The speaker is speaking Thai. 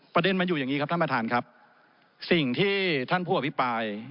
ประเด็นมันอยู่อย่างนี้ครับท่านประธานครับสิ่งที่ท่านผู้อภิปราย